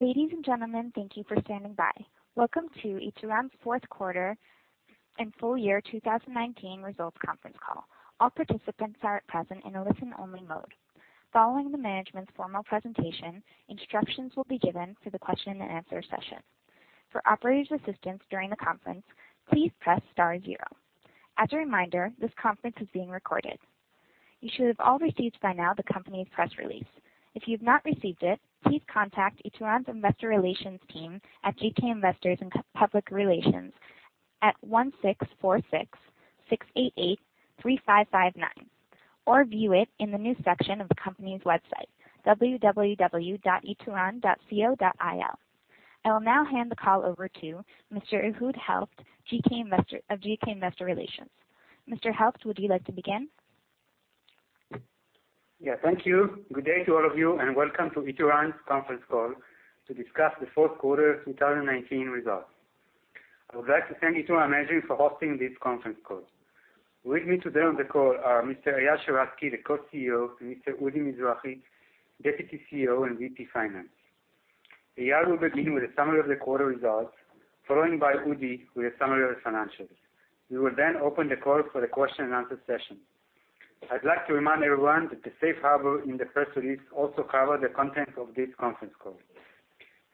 Ladies and gentlemen, thank you for standing by. Welcome to Ituran's fourth quarter and full year 2019 results conference call. All participants are present in a listen-only mode. Following the management's formal presentation, instructions will be given for the question and answer session. For operator's assistance during the conference, please press star zero. As a reminder, this conference is being recorded. You should have all received by now the company's press release. If you have not received it, please contact Ituran's investor relations team at GK Investor & Public Relations at 1-646-688-3559, or view it in the news section of the company's website, www.ituran.co.il. I will now hand the call over to Mr. Ehud Helft of GK Investor Relations. Mr. Helft, would you like to begin? Yeah, thank you. Good day to all of you, and welcome to Ituran's conference call to discuss the fourth quarter 2019 results. I would like to thank Ituran management for hosting this conference call. With me today on the call are Mr. Eyal Sheratzky, the Co-CEO, and Mr. Udi Mizrahi, Deputy CEO and VP Finance. Eyal will begin with a summary of the quarter results, followed by Udi with a summary of the financials. We will then open the call for the question and answer session. I'd like to remind everyone that the safe harbor in the press release also covers the content of this conference call.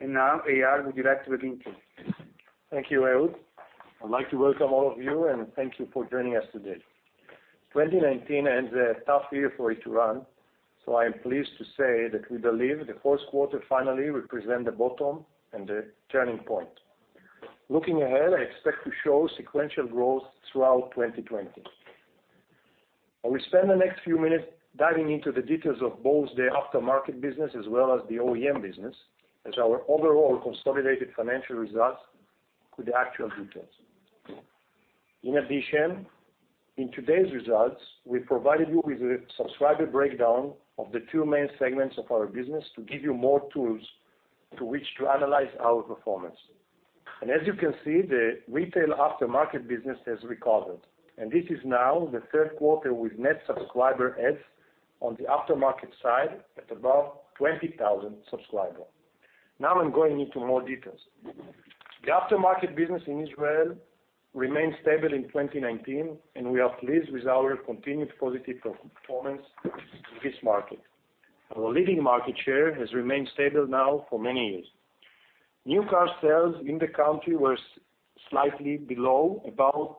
Now, Eyal, would you like to begin, please? Thank you, Ehud. I'd like to welcome all of you and thank you for joining us today. 2019 ends a tough year for Ituran. I am pleased to say that we believe the fourth quarter finally will present the bottom and the turning point. Looking ahead, I expect to show sequential growth throughout 2020. I will spend the next few minutes diving into the deta $ of both the aftermarket business as well as the OEM business as our overall consolidated financial results with the actual deta $. In addition, in today's results, we provided you with a subscriber breakdown of the two main segments of our business to give you more tools to which to analyze our performance. As you can see, the retail aftermarket business has recovered, and this is now the third quarter with net subscriber adds on the aftermarket side at above 20,000 subscribers. Now I'm going into more deta $. The aftermarket business in Israel remained stable in 2019, and we are pleased with our continued positive performance in this market. Our leading market share has remained stable now for many years. New car sales in the country were slightly below about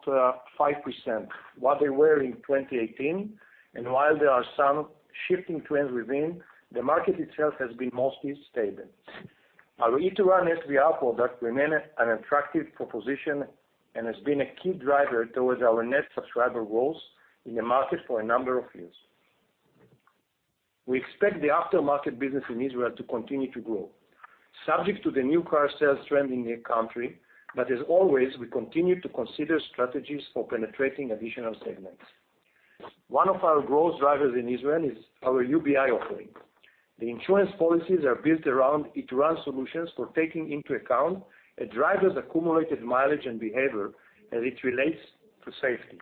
5% what they were in 2018, and while there are some shifting trends within, the market itself has been mostly stable. Our Ituran SVR product remained an attractive proposition and has been a key driver towards our net subscriber growth in the market for a number of years. We expect the aftermarket business in Israel to continue to grow, subject to the new car sales trend in the country. As always, we continue to consider strategies for penetrating additional segments. One of our growth drivers in Israel is our UBI offering. The insurance policies are built around Ituran solutions for taking into account a driver's accumulated mileage and behavior as it relates to safety.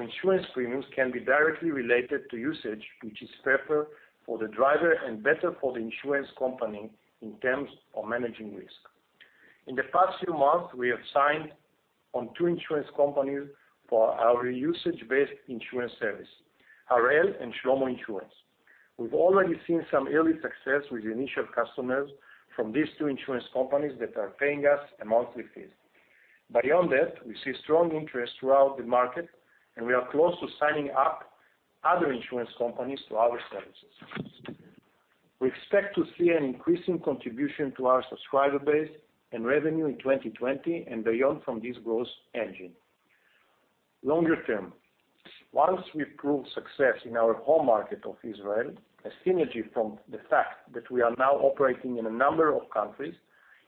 Insurance premiums can be directly related to usage, which is fairer for the driver and better for the insurance company in terms of managing risk. In the past few months, we have signed on two insurance companies for our usage-based insurance service, Harel and Shlomo Insurance. We've already seen some early success with initial customers from these two insurance companies that are paying us a monthly fee. Beyond that, we see strong interest throughout the market, and we are close to signing up other insurance companies to our services. We expect to see an increasing contribution to our subscriber base and revenue in 2020 and beyond from this growth engine. Longer term, once we prove success in our home market of Israel, a synergy from the fact that we are now operating in a number of countries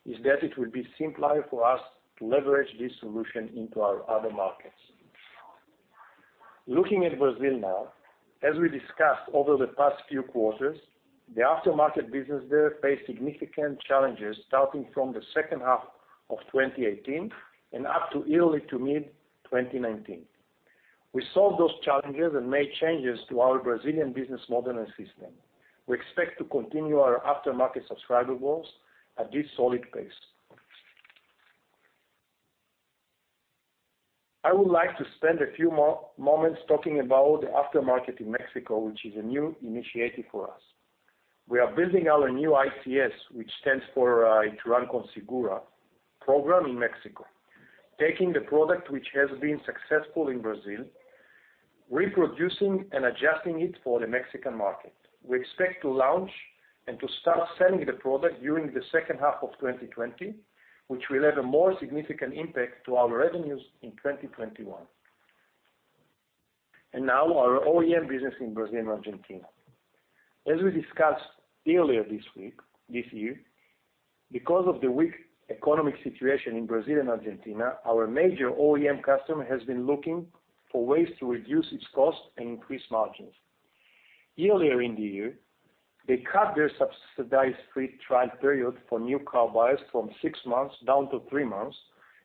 is that it will be simpler for us to leverage this solution into our other markets. Looking at Brazil now, as we discussed over the past few quarters, the aftermarket business there faced significant challenges starting from the second half of 2018 and up to early to mid-2019. We solved those challenges and made changes to our Brazilian business model and system. We expect to continue our aftermarket subscriber growth at this solid pace. I would like to spend a few more moments talking about the aftermarket in Mexico, which is a new initiative for us. We are building our new ICS, which stands for, Ituran Consigura program in Mexico, taking the product which has been successful in Brazil, reproducing and adjusting it for the Mexican market. We expect to launch and to start selling the product during the second half of 2020, which will have a more significant impact to our revenues in 2021. Now our OEM business in Brazil and Argentina. As we discussed earlier this year, because of the weak economic situation in Brazil and Argentina, our major OEM customer has been looking for ways to reduce its cost and increase margins. Earlier in the year, they cut their subsidized free trial period for new car buyers from six months down to three months.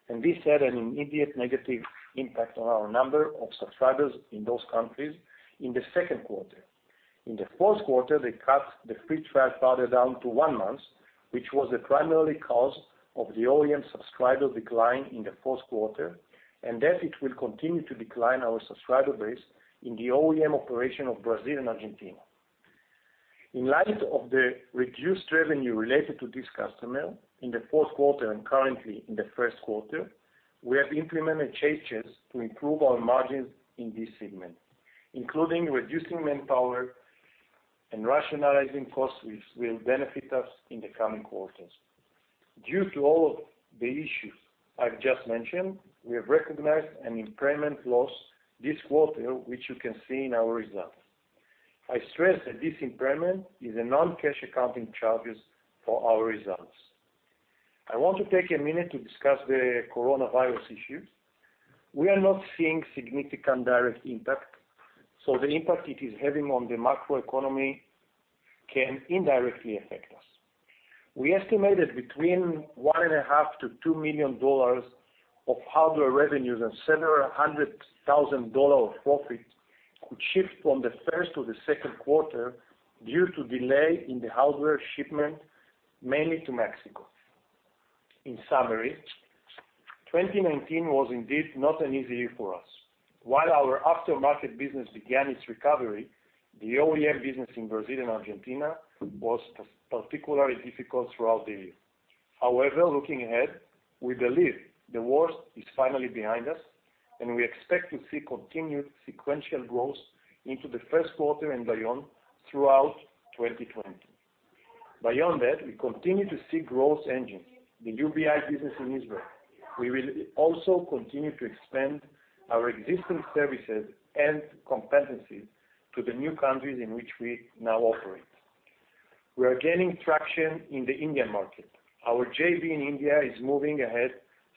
This had an immediate negative impact on our number of subscribers in those countries in the second quarter. In the fourth quarter, they cut the free trial period down to one month, which was the primary cause of the OEM subscriber decline in the fourth quarter. That it will continue to decline our subscriber base in the OEM operation of Brazil and Argentina. In light of the reduced revenue related to this customer in the fourth quarter and currently in the first quarter, we have implemented changes to improve our margins in this segment, including reducing manpower and rationalizing costs, which will benefit us in the coming quarters. Due to all of the issues I've just mentioned, we have recognized an impairment loss this quarter, which you can see in our results. I stress that this impairment is a non-cash accounting charge for our results. I want to take a minute to discuss the coronavirus issue. We are not seeing significant direct impact, so the impact it is having on the macroeconomy can indirectly affect us. We estimated between $1.5 million-$2 million of hardware revenues and several hundred thousand dollars of profit could shift from the first to the second quarter due to delay in the hardware shipment, mainly to Mexico. In summary, 2019 was indeed not an easy year for us. While our aftermarket business began its recovery, the OEM business in Brazil and Argentina was particularly difficult throughout the year. Looking ahead, we believe the worst is finally behind us, and we expect to see continued sequential growth into the first quarter and beyond throughout 2020. We continue to see growth engines, the UBI business in Israel. We will also continue to expand our existing services and competencies to the new countries in which we now operate. We are gaining traction in the Indian market. Our JV in India is moving ahead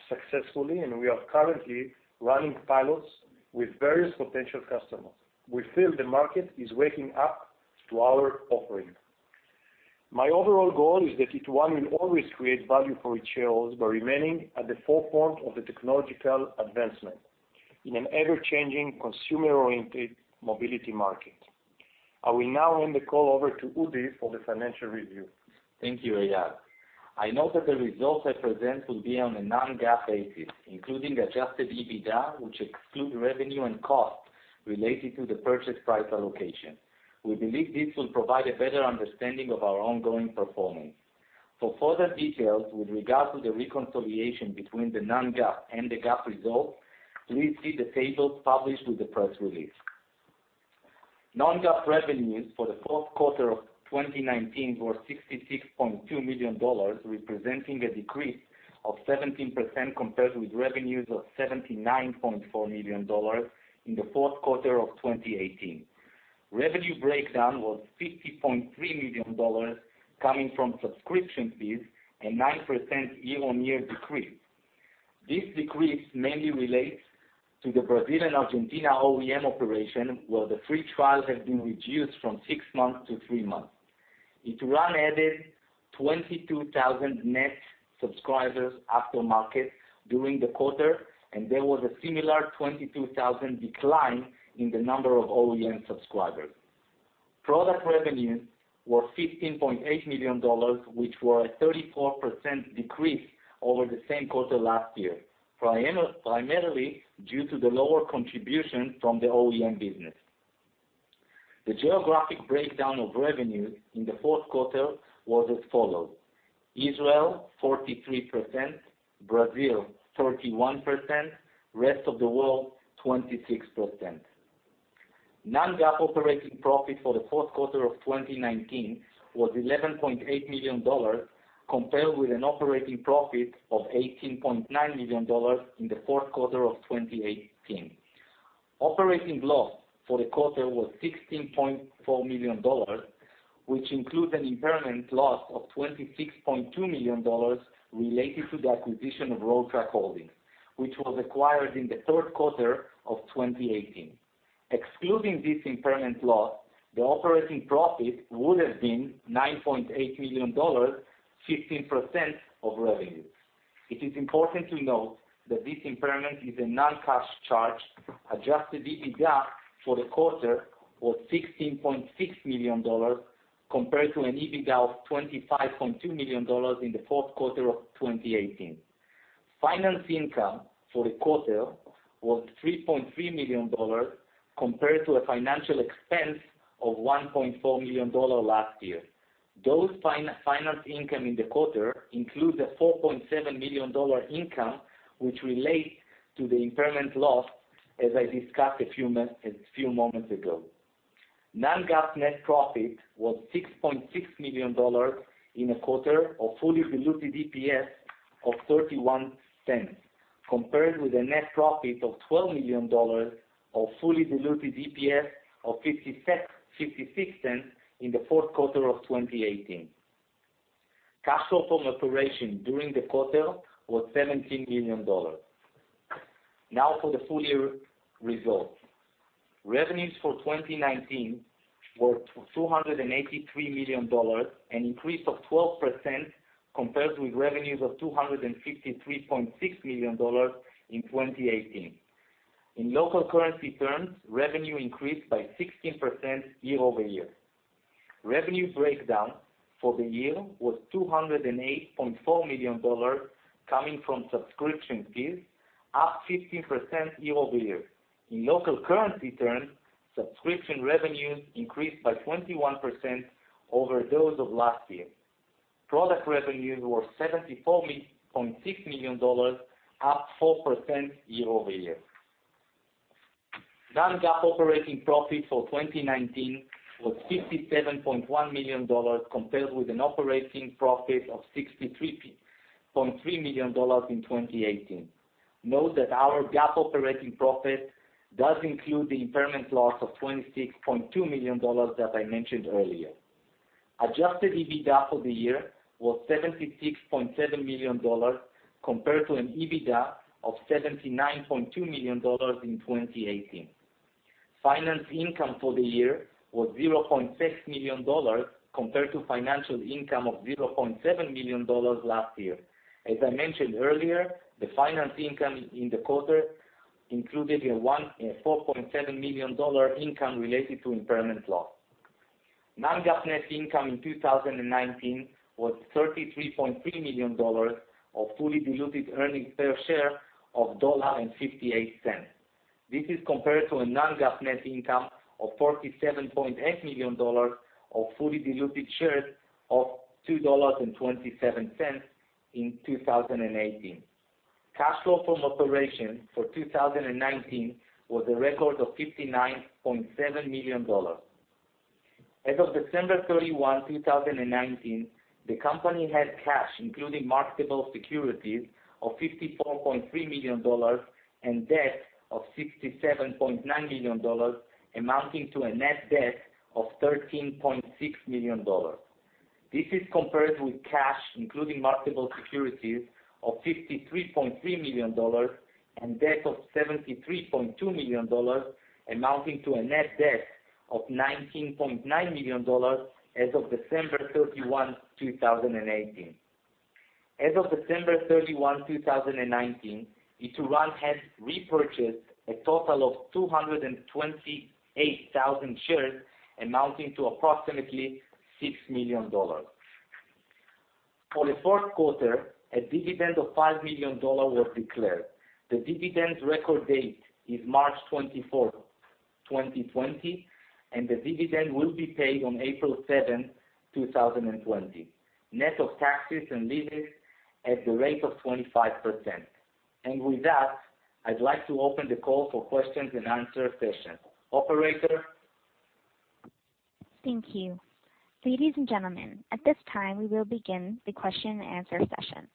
successfully, and we are currently running pilots with various potential customers. We feel the market is waking up to our offering. My overall goal is that Ituran will always create value for its shareholders by remaining at the forefront of the technological advancement in an ever-changing, consumer-oriented mobility market. I will now hand the call over to Udi for the financial review. Thank you, Eyal. I note that the results I present will be on a non-GAAP basis, including adjusted EBITDA, which exclude revenue and cost related to the purchase price allocation. We believe this will provide a better understanding of our ongoing performance. For further deta $ with regard to the reconciliation between the non-GAAP and the GAAP results, please see the tables published with the press release. Non-GAAP revenues for the fourth quarter of 2019 were $66.2 million, representing a decrease of 17% compared with revenues of $79.4 million in the fourth quarter of 2018. Revenue breakdown was $50.3 million coming from subscription fees, a 9% year-on-year decrease. This decrease mainly relates to the Brazil and Argentina OEM operation, where the free trial has been reduced from six months to three months. Ituran added 22,000 net subscribers aftermarket during the quarter, and there was a similar 22,000 decline in the number of OEM subscribers. Product revenues were $15.8 million, which were a 34% decrease over the same quarter last year, primarily due to the lower contribution from the OEM business. The geographic breakdown of revenues in the fourth quarter was as follows: Israel, 43%; Brazil, 31%; rest of the world, 26%. Non-GAAP operating profit for the fourth quarter of 2019 was $11.8 million, compared with an operating profit of $18.9 million in the fourth quarter of 2018. Operating loss for the quarter was $16.4 million, which includes an impairment loss of $26.2 million related to the acquisition of RoadTrack Holdings, which was acquired in the third quarter of 2018. Excluding this impairment loss, the operating profit would have been $9.8 million, 15% of revenue. It is important to note that this impairment is a non-cash charge. Adjusted EBITDA for the quarter was $16.6 million, compared to an EBITDA of $25.2 million in the fourth quarter of 2018. Finance income for the quarter was $3.3 million compared to a financial expense of $1.4 million last year. Those finance income in the quarter include the $4.7 million income, which relate to the impairment loss, as I discussed a few moments ago. Non-GAAP net profit was $6.6 million in the quarter of fully diluted EPS of $0.31, compared with a net profit of $12 million of fully diluted EPS of $0.56 in the fourth quarter of 2018. Cash flow from operations during the quarter was $17 million. Now for the full-year results. Revenues for 2019 were $283 million, an increase of 12% compared with revenues of $253.6 million in 2018. In local currency terms, revenue increased by 16% year-over-year. Revenue breakdown for the year was $208.4 million coming from subscription fees, up 15% year-over-year. In local currency terms, subscription revenues increased by 21% over those of last year. Product revenues were $74.6 million, up 4% year-over-year. Non-GAAP operating profit for 2019 was $57.1 million, compared with an operating profit of $63.3 million in 2018. Note that our GAAP operating profit does include the impairment loss of $26.2 million that I mentioned earlier. Adjusted EBITDA for the year was $76.7 million, compared to an EBITDA of $79.2 million in 2018. Finance income for the year was $0.6 million, compared to financial income of $0.7 million last year. As I mentioned earlier, the finance income in the quarter included a $4.7 million income related to impairment loss. Non-GAAP net income in 2019 was $33.3 million, or fully diluted earnings per share of $1.58. This is compared to a non-GAAP net income of $47.8 million, or fully diluted shares of $2.27 in 2018. Cash flow from operations for 2019 was a record of $59.7 million. As of December 31, 2019, Ituran had cash, including marketable securities, of $54.3 million and debt of $67.9 million, amounting to a net debt of $13.6 million. This is compared with cash, including marketable securities, of $53.3 million and debt of $73.2 million, amounting to a net debt of $19.9 million as of December 31, 2018. As of December 31, 2019, Ituran has repurchased a total of 228,000 shares, amounting to approximately $6 million. For the fourth quarter, a dividend of $5 million was declared. The dividend's record date is March 24th, 2020, and the dividend will be paid on April 7, 2020, net of taxes and levies at the rate of 25%. With that, I'd like to open the call for questions and answer session. Operator? Thank you. Ladies and gentlemen, at this time, we will begin the question and answer session.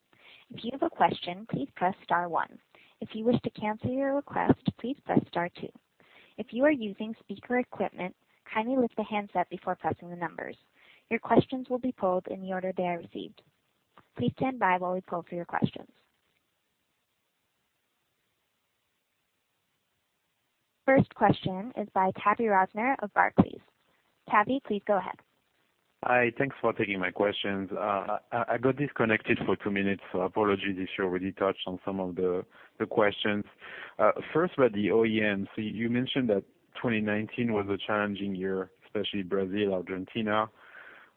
If you have a question, please press star one. If you wish to cancel your request, please press star two. If you are using speaker equipment, kindly lift the handset before pressing the numbers. Your questions will be polled in the order they are received. Please stand by while we poll for your questions. First question is by Tavy Rosner of Barclays. Tavy, please go ahead. Hi. Thanks for taking my questions. I got disconnected for two minutes, so apologies if you already touched on some of the questions. First, about the OEM. You mentioned that 2019 was a challenging year, especially Brazil, Argentina,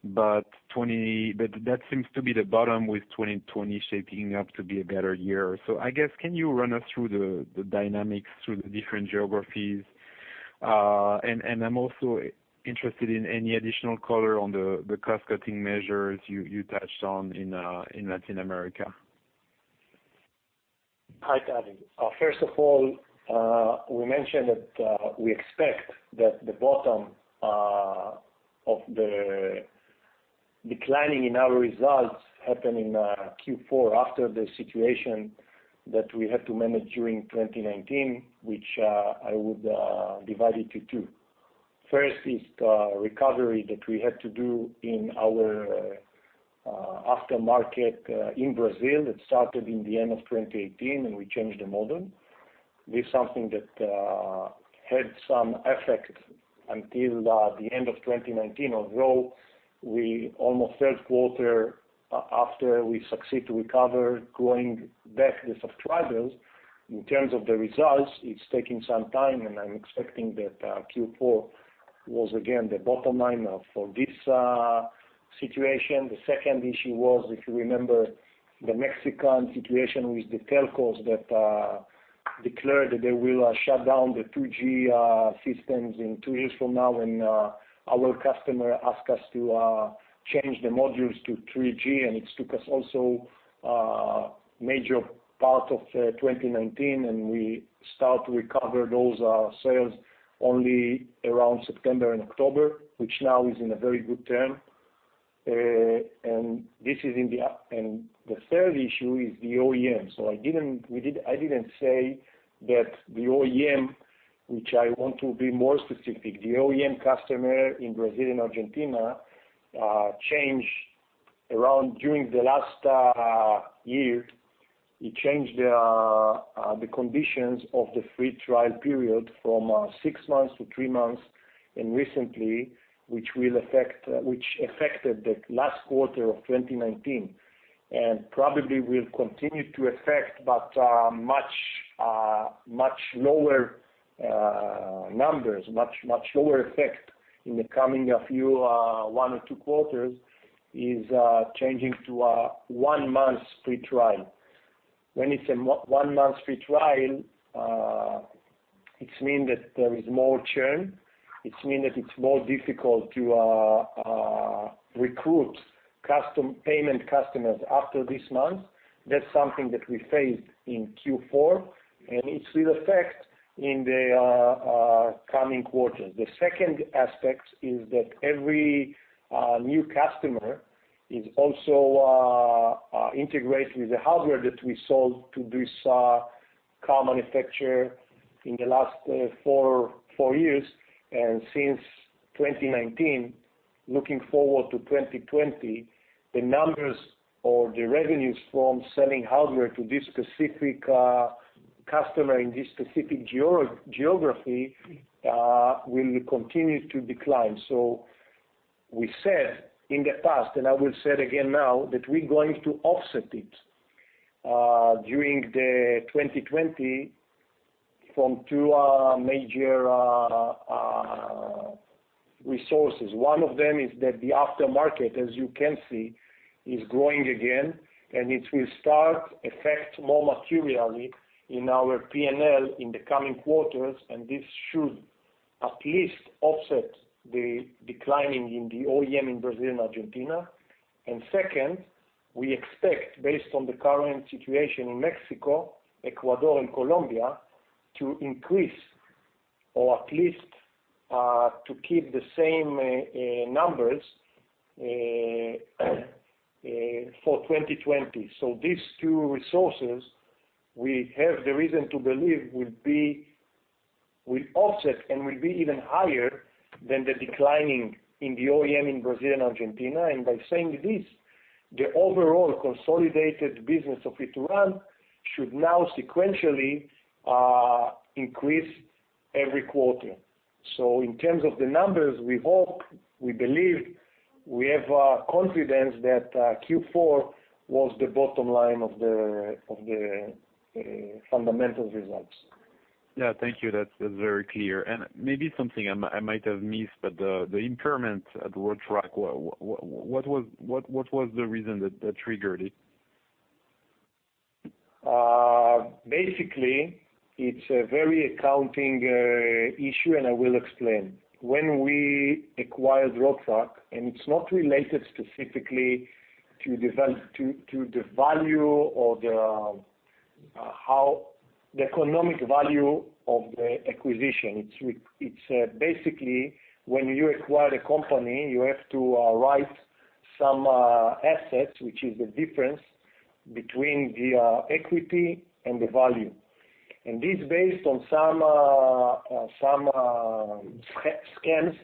but that seems to be the bottom with 2020 shaping up to be a better year. I guess, can you run us through the dynamics through the different geographies? I'm also interested in any additional color on the cost-cutting measures you touched on in Latin America. Hi, Tavy. We mentioned that we expect that the bottom of the declining in our results happened in Q4, after the situation that we had to manage during 2019, which I would divide into two. First is the recovery that we had to do in our aftermarket in Brazil, that started in the end of 2018. We changed the model. This is something that had some effect until the end of 2019, although we almost third quarter after we succeed to recover growing back the subscribers. In terms of the results, it's taking some time. I'm expecting that Q4 was again the bottom line for this situation. The second issue was, if you remember, the Mexican situation with the telcos that declared that they will shut down the 2G systems in two years from now, and our customer asked us to change the modules to 3G, and it took us also a major part of 2019, and we start to recover those sales only around September and October, which now is in a very good term. The third issue is the OEM. I didn't say that the OEM, which I want to be more specific, the OEM customer in Brazil and Argentina changed around during the last year. It changed the conditions of the free trial period from six months to three months, and recently, which affected the last quarter of 2019, and probably will continue to affect, but much lower numbers, much lower effect. In the coming one or two quarters, is changing to a one-month free trial. When it's a one-month free trial, it means that there is more churn. It means that it's more difficult to recruit payment customers after this month. That's something that we faced in Q4, and it will affect in the coming quarters. The second aspect is that every new customer is also integrated with the hardware that we sold to this car manufacturer in the last four years, and since 2019, looking forward to 2020, the numbers or the revenues from selling hardware to this specific customer in this specific geography will continue to decline. We said in the past, and I will say it again now, that we're going to offset it during 2020 from two major resources. One of them is that the aftermarket, as you can see, is growing again. It will start to affect more materially in our P&L in the coming quarters, and this should at least offset the declining in the OEM in Brazil and Argentina. Second, we expect, based on the current situation in Mexico, Ecuador, and Colombia, to increase or at least to keep the same numbers for 2020. These two resources, we have the reason to believe will offset and will be even higher than the declining in the OEM in Brazil and Argentina. By saying this, the overall consolidated business of Ituran should now sequentially increase every quarter. In terms of the numbers, we hope, we believe, we have confidence that Q4 was the bottom line of the fundamental results. Yeah. Thank you. That's very clear. Maybe something I might have missed, but the impairment at RoadTrack, what was the reason that triggered it? It's a very accounting issue. I will explain. When we acquired RoadTrack, it's not related specifically to the value or the economic value of the acquisition. It's basically when you acquire the company, you have to write some assets, which is the difference between the equity and the value. This is based on some scans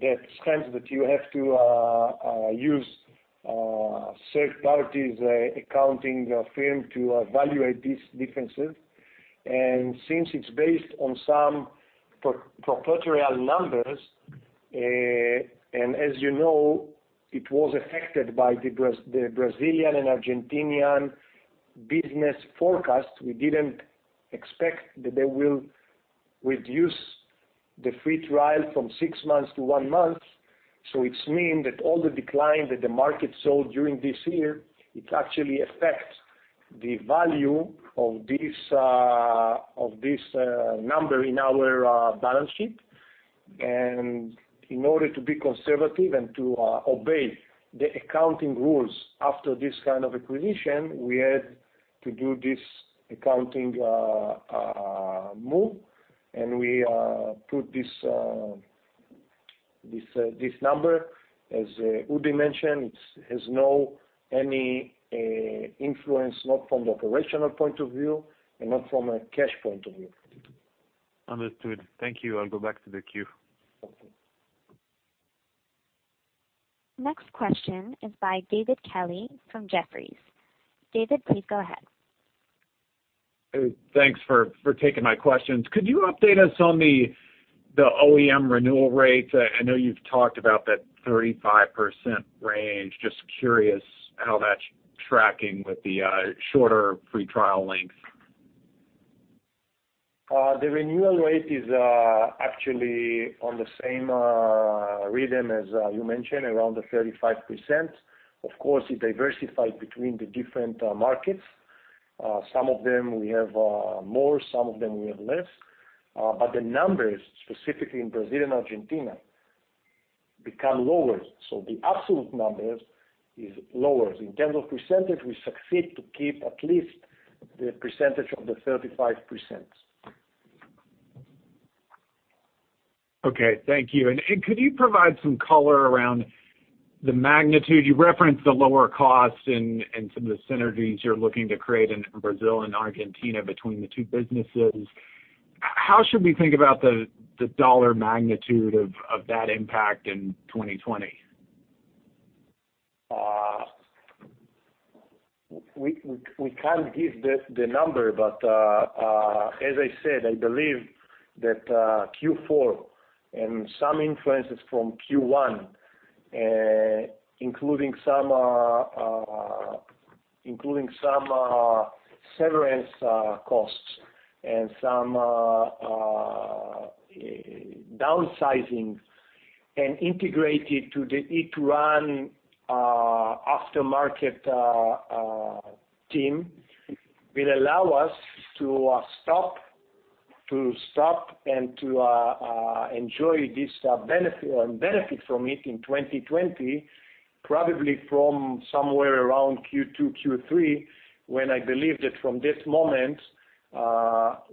that you have to use third-party accounting firm to evaluate these differences. Since it's based on some proprietary numbers, as you know, it was affected by the Brazilian and Argentinian business forecast. We didn't expect that they will reduce the free trial from six months to one month, it means that all the decline that the market saw during this year, it actually affects the value of this number in our balance sheet. In order to be conservative and to obey the accounting rules after this kind of acquisition, we had to do this accounting move, and we put this number. As Udi mentioned, it has any influence, not from the operational point of view and not from a cash point of view. Understood. Thank you. I'll go back to the queue. Okay. Next question is by David Kelley from Jefferies. David, please go ahead. Thanks for taking my questions. Could you update us on the OEM renewal rates? I know you've talked about that 35% range. Just curious how that's tracking with the shorter free trial length. The renewal rate is actually on the same rhythm as you mentioned, around the 35%. Of course, it diversified between the different markets. Some of them we have more, some of them we have less. The numbers, specifically in Brazil and Argentina, become lower. The absolute number is lower. In terms of percentage, we succeed to keep at least the percentage of the 35%. Okay. Thank you. Could you provide some color around the magnitude? You referenced the lower cost and some of the synergies you're looking to create in Brazil and Argentina between the two businesses. How should we think about the dollar magnitude of that impact in 2020? We can't give the number, but, as I said, I believe that Q4 and some influences from Q1, including some severance costs and some downsizing and integrated to the Ituran aftermarket team will allow us to stop and to enjoy this benefit, and benefit from it in 2020, probably from somewhere around Q2, Q3, when I believe that from this moment,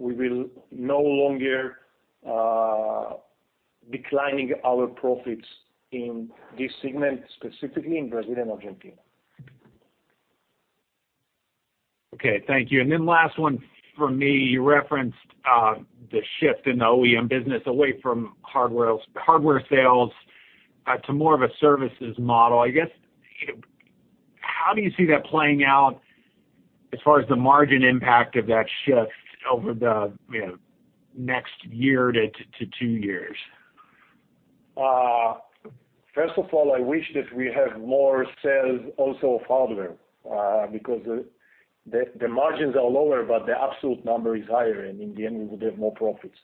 we will no longer be declining our profits in this segment, specifically in Brazil and Argentina. Okay, thank you. Last one from me. You referenced the shift in the OEM business away from hardware sales to more of a services model. How do you see that playing out as far as the margin impact of that shift over the next year to two years? First of all, I wish that we have more sales also of hardware, because the margins are lower, but the absolute number is higher, and in the end, we will have more profits.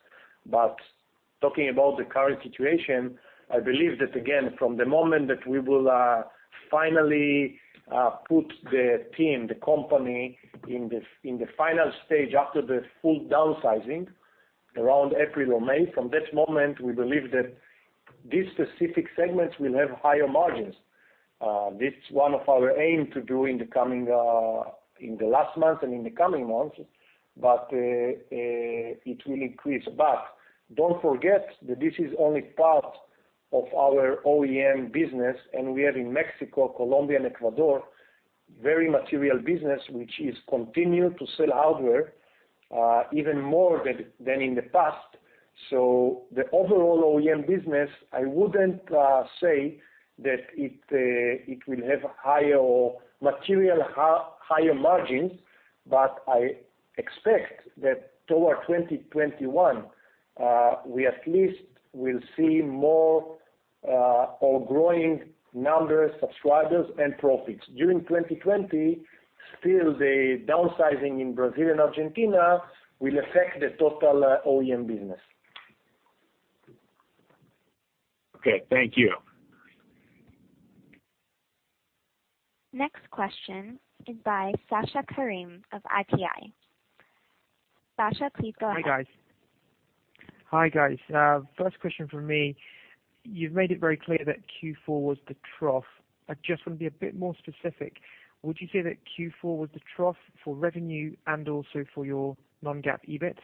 Talking about the current situation, I believe that, again, from the moment that we will finally put the team, the company in the final stage after the full downsizing around April or May, from that moment, we believe that these specific segments will have higher margins. This is one of our aim to do in the last month and in the coming months, but it will increase. Don't forget that this is only part of our OEM business, and we are in Mexico, Colombia, and Ecuador, very material business, which is continued to sell hardware even more than in the past. The overall OEM business, I wouldn't say that it will have material higher margins, but I expect that toward 2021, we at least will see more or growing numbers, subscribers, and profits. During 2020, still, the downsizing in Brazil and Argentina will affect the total OEM business. Okay, thank you. Next question is by Sasha Karim of IPI. Sasha, please go ahead. Hi, guys. First question from me. You've made it very clear that Q4 was the trough. I just want to be a bit more specific. Would you say that Q4 was the trough for revenue and also for your non-GAAP EBIT?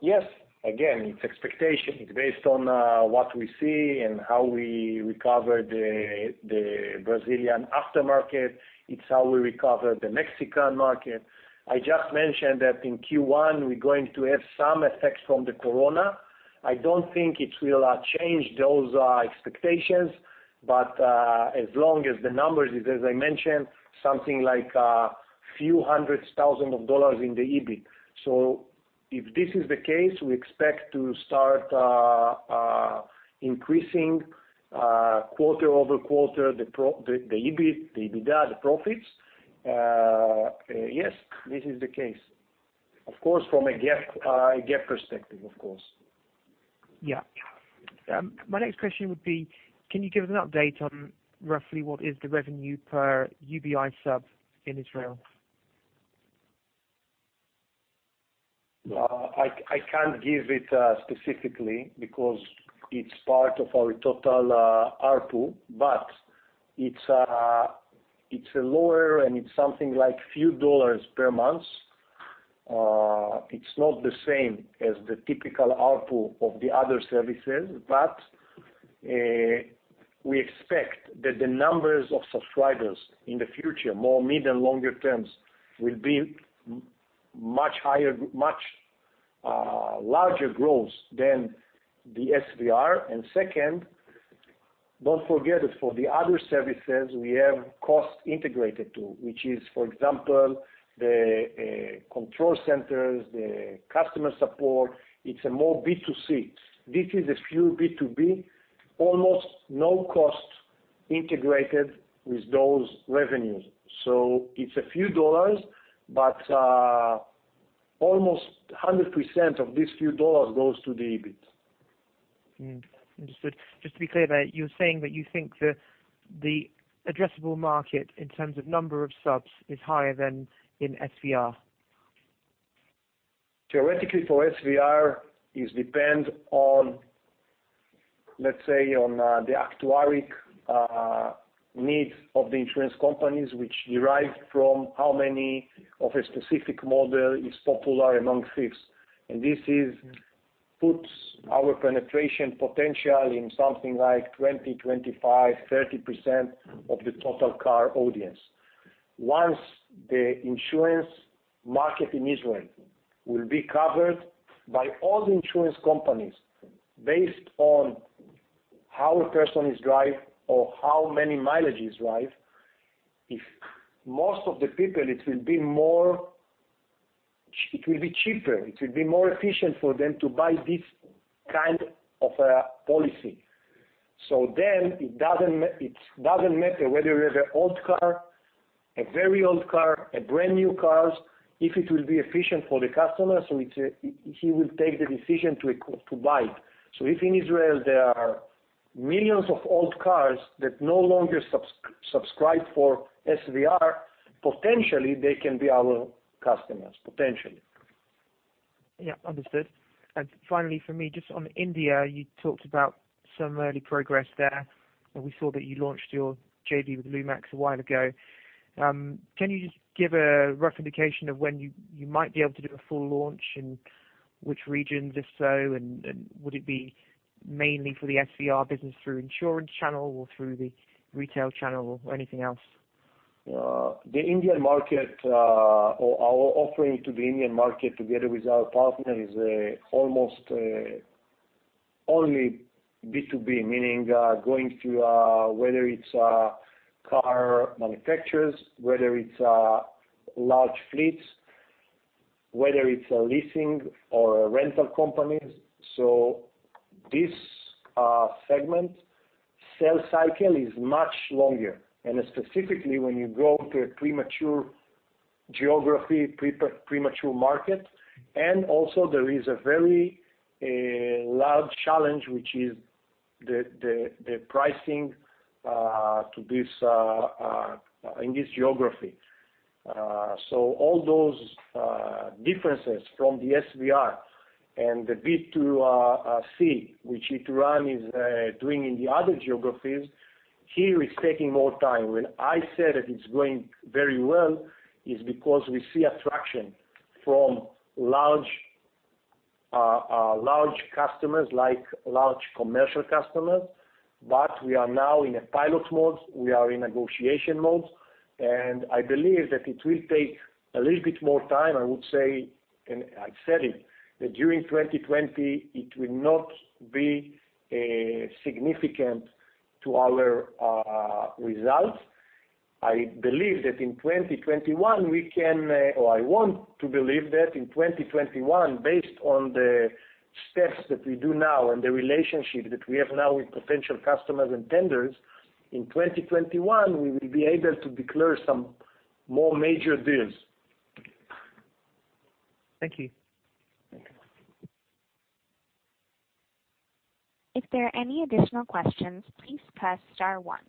Yes. Again, it's expectation. It's based on what we see and how we recover the Brazilian aftermarket. It's how we recover the Mexican market. I just mentioned that in Q1, we're going to have some effects from the corona. I don't think it will change those expectations, as long as the numbers is, as I mentioned, something like a few hundreds, thousands of dollars in the EBIT. If this is the case, we expect to start increasing quarter-over-quarter, the EBIT, the EBITDA, the profits. Yes, this is the case. Of course, from a GAAP perspective, of course. Yeah. My next question would be, can you give us an update on roughly what is the revenue per UBI sub in Israel? I can't give it specifically because it's part of our total ARPU, but it's lower, and it's something like a few dollars per month. It's not the same as the typical ARPU of the other services, but we expect that the numbers of subscribers in the future, more mid and longer terms, will be much larger growth than the SVR. Second, don't forget that for the other services, we have cost integrated too, which is, for example, the control centers, the customer support, it's a more B2C. This is a few B2B, almost no cost integrated with those revenues. It's a few dollars, but almost 100% of these few dollars goes to the EBIT. Understood. Just to be clear there, you're saying that you think that the addressable market in terms of number of subs is higher than in SVR? Theoretically, for SVR, is depend on, let's say, on the actuarial needs of the insurance companies, which derives from how many of a specific model is popular among thieves. This puts our penetration potential in something like 20%, 25%, 30% of the total car audience. Once the insurance market in Israel will be covered by all insurance companies based on how a person is drive or how many mileages drive. If most of the people, it will be cheaper, it will be more efficient for them to buy this kind of a policy. It doesn't matter whether you have an old car, a very old car, a brand-new cars, if it will be efficient for the customer, so he will take the decision to buy it. If in Israel there are millions of old cars that no longer subscribe for SVR, potentially they can be our customers, potentially. Yeah, understood. Finally, for me, just on India, you talked about some early progress there, and we saw that you launched your JV with Lumax a while ago. Can you just give a rough indication of when you might be able to do a full launch, in which regions if so, and would it be mainly for the SVR business through insurance channel or through the retail channel or anything else? The Indian market, our offering to the Indian market together with our partner is almost only B2B, meaning going through, whether it's car manufacturers, whether it's large fleets, whether it's a leasing or a rental companies. This segment, sales cycle is much longer, specifically when you go to a premature geography, premature market. Also there is a very large challenge, which is the pricing in this geography. All those differences from the SVR and the B2C, which Ituran is doing in the other geographies, here it's taking more time. When I said that it's going very well, is because we see attraction from large customers, like large commercial customers. We are now in a pilot mode, we are in negotiation mode, and I believe that it will take a little bit more time, I would say, and I said it, that during 2020 it will not be significant to our results. I believe that in 2021 we can, or I want to believe that in 2021, based on the steps that we do now and the relationship that we have now with potential customers and tenders, in 2021, we will be able to declare some more major deals. Thank you. If there are any additional questions, please press star one.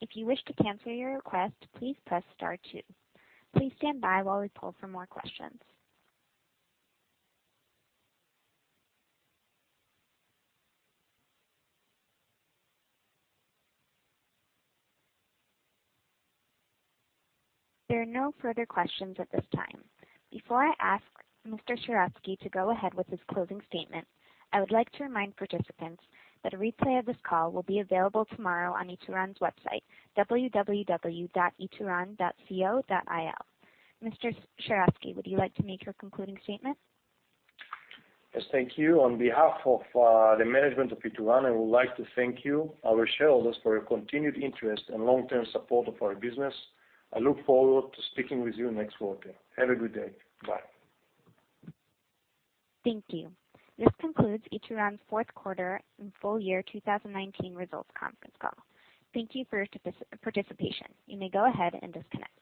If you wish to cancel your request, please press star two. Please stand by while we poll for more questions. There are no further questions at this time. Before I ask Mr. Sheratzky to go ahead with his closing statement, I would like to remind participants that a replay of this call will be available tomorrow on Ituran's website, www.ituran.co.il. Mr. Sheratzky, would you like to make your concluding statement? Yes, thank you. On behalf of the management of Ituran, I would like to thank you, our shareholders, for your continued interest and long-term support of our business. I look forward to speaking with you next quarter. Have a good day. Bye. Thank you. This concludes Ituran's fourth quarter and full year 2019 results conference call. Thank you for your participation. You may go ahead and disconnect.